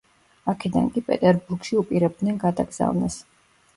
აქედან კი პეტერბურგში უპირებდნენ გადაგზავნას.